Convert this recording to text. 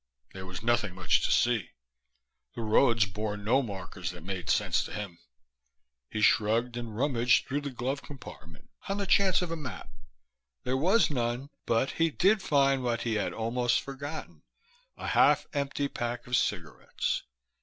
There was nothing much to see. The roads bore no markers that made sense to him. He shrugged and rummaged through the glove compartment on the chance of a map; there was none, but he did find what he had almost forgotten, a half empty pack of cigarettes.